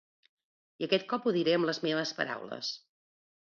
I aquest cop ho diré amb les meves paraules.